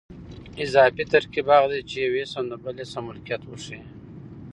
اضافي ترکیب هغه دئ، چي یو اسم د بل اسم ملکیت وښیي.